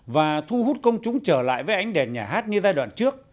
và thu hút công chúng trở lại với ánh đèn nhà hát như giai đoạn trước